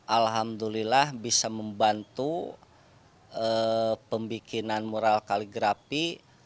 alhamdulillah bisa membantu pembikinan mural kaligrafi